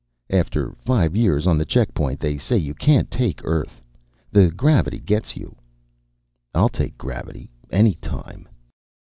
"After five years on the checkpoint, they say you can't take Earth. The gravity gets you." "I'll take gravity. Any time...."